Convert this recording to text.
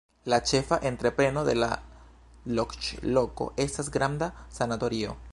La ĉefa entrepreno de la loĝloko estas granda sanatorio.